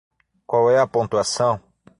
Qual é a pontuação?